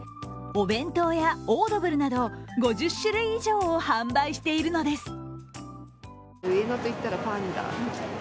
お弁当やオードブルなど５０種類以上を販売しているのです。